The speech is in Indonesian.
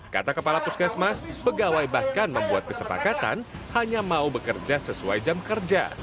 kata kepala puskesmas pegawai bahkan membuat kesepakatan hanya mau bekerja sesuai jam kerja